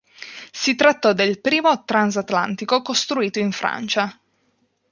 Si trattò del primo transatlantico costruito in Francia.